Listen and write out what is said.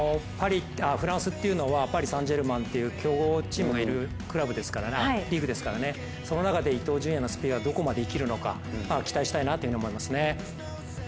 フランスというのはパリ・サン＝ジェルマンという強豪チームがいるリーグですからその中で伊東純也のスピンはどこまで生きるのか期待したいなと思いますね。